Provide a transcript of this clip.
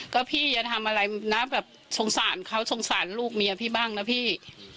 ก็พี่อย่าทำอะไรนะแบบสงสารเขาสงสารลูกเมียพี่บ้างนะพี่